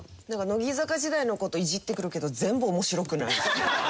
乃木坂時代の事いじってくるけど全部面白くない。